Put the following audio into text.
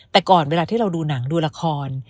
แต่ก่อนเวลาที่เราดูหนังดูละคร